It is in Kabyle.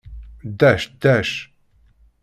Ddac, ddac!